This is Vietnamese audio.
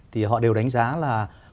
thì họ đều đánh giá là